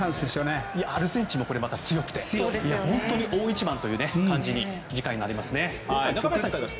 アルゼンチンも強くて本当に大一番という感じに次回もなりますね。